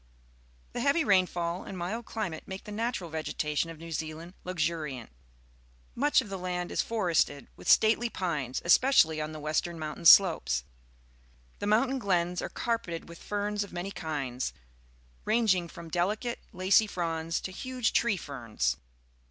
— The hea \^j^ rainfall and mild climate make the natural vegetation of New Zealand luxuriant. Much of the land pines, especiallj' on is forested with stately the western mountain slopes The mountain glens are carpeted with ierns of many kinds, ranging from deh cate, lacy fronds to huge tree ferns.